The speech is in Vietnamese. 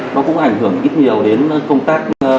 nó cũng ảnh hưởng ít nhiều đến công tác